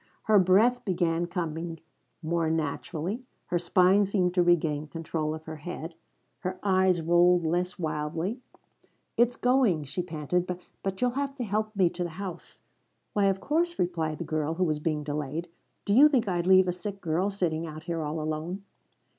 Her breath began coming more naturally; her spine seemed to regain control of her head; her eyes rolled less wildly. "It's going," she panted; "but you'll have to help me to the house." "Why of course," replied the girl who was being delayed. "Do you think I'd leave a sick girl sitting out here all alone?"